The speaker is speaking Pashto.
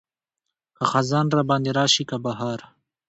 که خزان راباندې راشي که بهار.